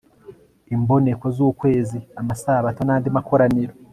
imboneko z'ukwezi, amasabato n'andi makoraniro